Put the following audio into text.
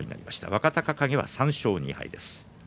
若隆景は３勝２敗です。